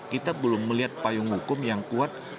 kita belum melihat payung hukum yang kuat